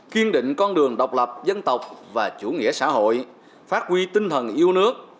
kiên định con đường độc lập dân tộc và chủ nghĩa xã hội phát huy tinh thần yêu nước